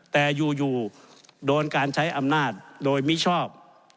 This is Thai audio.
แต่อยู่โดนการใช้อำนาจโดยมิชอบ